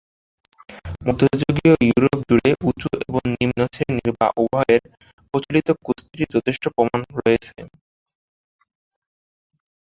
মধ্যযুগীয় ইউরোপ জুড়ে উঁচু এবং নিম্ন শ্রেণীর বা উভয়ের প্রচলিত কুস্তির যথেষ্ট প্রমাণ রয়েছে।